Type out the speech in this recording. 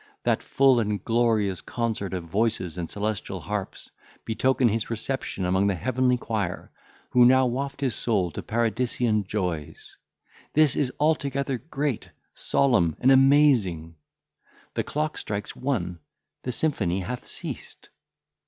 That full and glorious concert of voices and celestial harps betoken his reception among the heavenly choir, who now waft his soul to paradisian joys! This is altogether great, solemn, and amazing! The clock strikes one, the symphony hath ceased!"